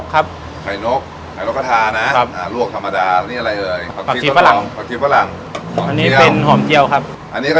ครับผมอ่ามีอะไรอีก